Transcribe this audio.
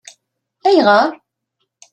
Ayɣeṛ?